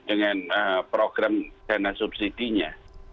dengan program dana subsidinya